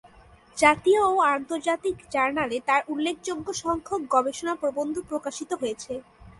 জাতীয় ও আন্তর্জাতিক জার্নালে তার উল্লেখযোগ্য সংখ্যক গবেষণা প্রবন্ধ প্রকাশিত হয়েছে।